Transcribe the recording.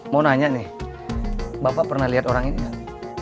mau nanya nih bapak pernah lihat orang ini gak